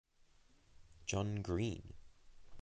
John Greene.